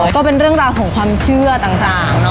ก็เป็นเรื่องราวของความเชื่อต่าง